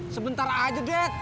sebentar aja det